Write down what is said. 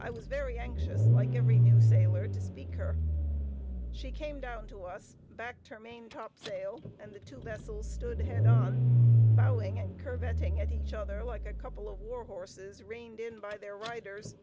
I was very anxious, like every new sailor, to speak her. She came down to us, backed her maintopsail and the two vessels stood "head on," bowing and curvetting at each other like a couple of war horses reined in by their riders.